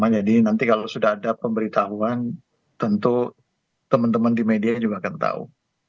jadi nanti kalau sudah ada pemberitahuan tentu teman teman di media juga akan tahu